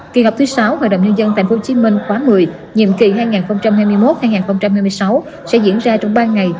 kỳ họp thứ sáu hội đồng nhân dân tp hcm khóa một mươi nhiệm kỳ hai nghìn hai mươi một hai nghìn hai mươi sáu sẽ diễn ra trong ba ngày